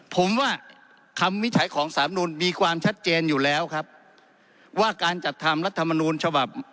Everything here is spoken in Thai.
ผมว่าคำวินิจฉัยของสามนูลมีความชัดเจนอยู่แล้วครับว่าการจัดทำรัฐมนูลฉบับ